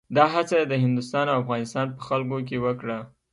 دا هڅه یې د هندوستان او افغانستان په خلکو کې وکړه.